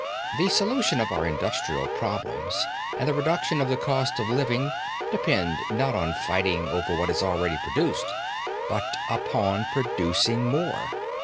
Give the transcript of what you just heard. The solution of our industrial problems and the reduction of the cost of living depend not on fighting over what is already produced, but upon producing more.